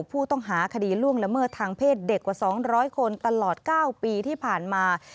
ผู้ต้องหาคดีล่วงละเมิดทางเพศเด็กกว่า๒๐๐คนตลอด๙ปีที่ผ่านมา